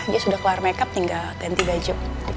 jas udah keluar makeup tinggal ganti baju